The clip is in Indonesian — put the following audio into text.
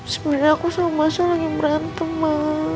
sebenernya aku sama masya lagi merantem ma